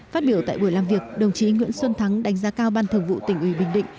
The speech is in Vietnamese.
phát biểu tại buổi làm việc đồng chí nguyễn xuân thắng đánh giá cao ban thường vụ tỉnh ủy bình định